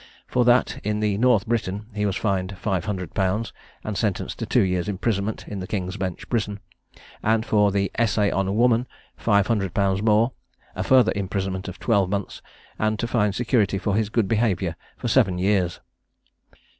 For that in the "North Briton" he was fined five hundred pounds, and sentenced to two years' imprisonment in the King's Bench prison; and for the "Essay on Woman" five hundred pounds more, a further imprisonment of twelve months, and to find security for his good behaviour for seven years.